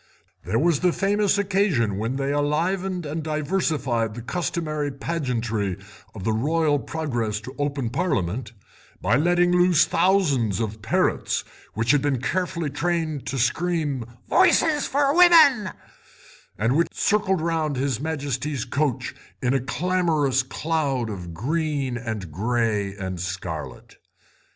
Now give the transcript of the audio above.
There was the famous occasion when they enlivened and diversified the customary pageantry of the Royal progress to open Parliament by letting loose thousands of parrots, which had been carefully trained to scream 'Votes for women,' and which circled round his Majesty's coach in a clamorous cloud of green, and grey and scarlet.